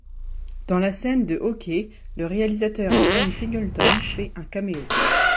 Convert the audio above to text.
Dans la scène de hockey, le réalisateur John Singleton fait un caméo.